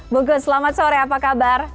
bungkus selamat sore apa kabar